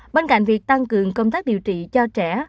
bên cạnh việc tăng cường công tác điều trị cho trẻ